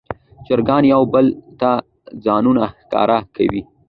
چرګان یو بل ته ځانونه ښکاره کوي.